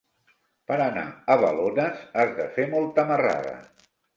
Per anar a Balones has de fer molta marrada.